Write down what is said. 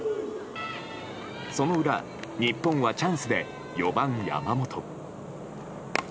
その裏、日本はチャンスで４番、山本。